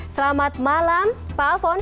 selamat malam pak alphonse